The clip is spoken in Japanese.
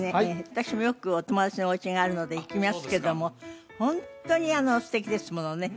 私もよくお友達のお家があるので行きますけどもホントに素敵ですものね